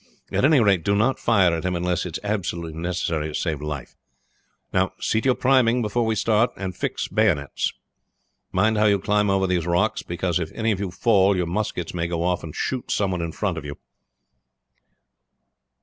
At any rate, do not fire at him unless it is absolutely necessary to save life. Now see to your priming before we start, and fix bayonets. Mind how you climb over these rocks, because if any of you fall your muskets may go off and shoot some one in front of you.